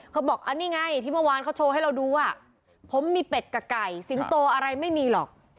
เขาบอกอันนี้ไงที่เมื่อวานเขาโชว์ให้เราดูอ่ะผมมีเป็ดกับไก่สิงโตอะไรไม่มีหรอก